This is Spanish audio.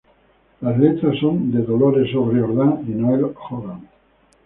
Las letras son de Dolores O'Riordan y Noel Hogan.